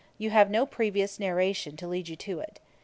You have no previous narration to lead you to it.